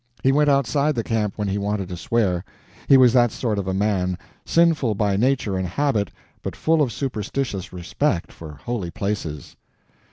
He went outside the camp when he wanted to swear. He was that sort of a man—sinful by nature and habit, but full of superstitious respect for holy places.